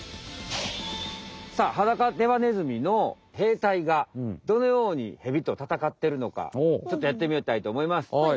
さあハダカデバネズミの兵隊がどのようにヘビとたたかってるのかちょっとやってみたいと思います。